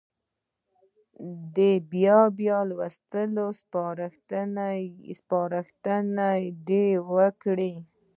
د بیا بیا لوستلو سپارښتنه دې وکړي.